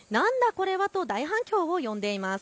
これはと大反響を呼んでいます。